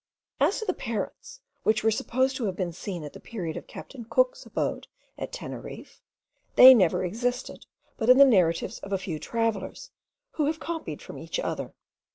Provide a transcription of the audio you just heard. As to the parrots, which were supposed to have been seen at the period of captain Cook's abode at Teneriffe, they never existed but in the narratives of a few travellers, who have copied from each other.